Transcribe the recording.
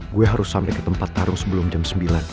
gue harus sampai ke tempat taruh sebelum jam sembilan